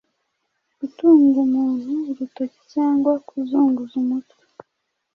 gutunga umuntu urutoki cyangwa kuzunguza umutwe